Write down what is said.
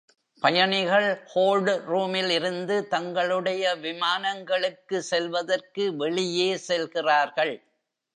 பயணிகள் ஹோல்ட் ரூமில் இருந்து தங்களுடைய விமானங்களுக்கு செல்வதற்கு வெளியே செல்கிறார்கள்.